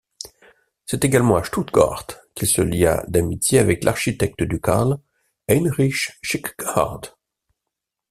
C'est également à Stuttgart qu'il se lia d'amitié avec l'architecte ducal Heinrich Schickhardt.